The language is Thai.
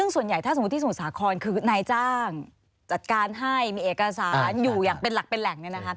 ส่วนใหญ่ถ้าสมมุติสูตรสาขนคือนายจ้างจัดการให้มีเอกสารอยู่อย่างเป็นหลักเป็นแหล่งนี้นะครับ